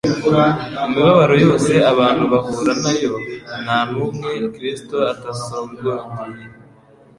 Mu mibabaro yose abantu bahura nayo, nta n'umwe Kristo atasogongeye